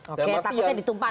oke takutnya ditumpangin